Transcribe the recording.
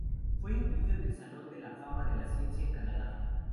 Fue incluido en el Salón de la Fama de la Ciencia en Canadá.